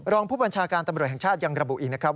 รองผู้บัญชาการตำรวจแห่งชาติยังระบุอีกนะครับ